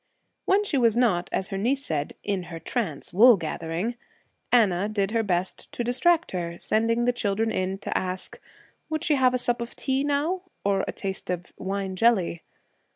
When she was not, as her niece said, 'in her trance, wool gathering' Anna did her best to distract her, sending the children in to ask 'would she have a sup of tea now,' or a taste of wine jelly.